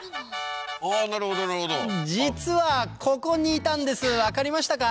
実はここにいたんです分かりましたか？